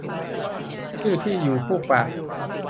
ชื่อที่อยู่ผู้ฝาก